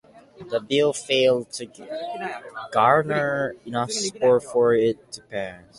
The bill failed to garner enough support for it to pass.